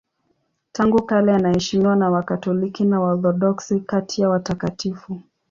Tangu kale anaheshimiwa na Wakatoliki na Waorthodoksi kati ya watakatifu.